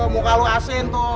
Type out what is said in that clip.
aduh muka lo asin tuh